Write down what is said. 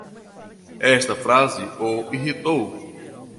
Esta frase o irritou